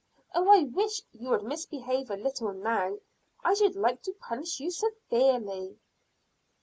"Oh, I wish you would misbehave a little now; I should like to punish you severely."